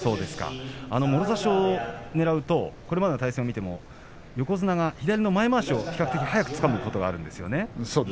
もろ差しをねらうとこれまでの対戦を見ても横綱が左の前まわしを比較的早くつかむことがあるんですよね。